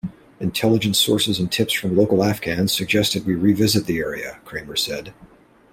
"Intelligence sources and tips from local Afghans suggested we revisit the area," Cramer said.